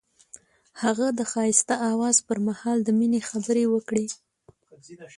هغه د ښایسته اواز پر مهال د مینې خبرې وکړې.